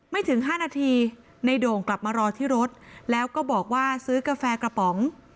ถึง๕นาทีในโด่งกลับมารอที่รถแล้วก็บอกว่าซื้อกาแฟกระป๋อง